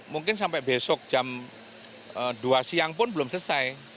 mungkin sampai besok jam dua siang pun belum selesai